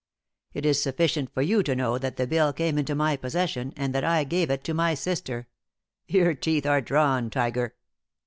It is sufficient for you to know that the bill came into my possession, and that I gave it to my sister. Your teeth are drawn, tiger!"